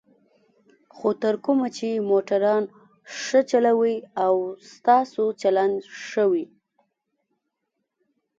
خو تر کومه چې موټران ښه چلوئ او ستاسو چلند ښه وي.